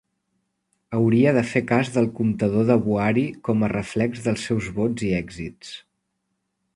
Hauria de fer cas del comptador de Buhari com a reflex dels seus vots i èxits.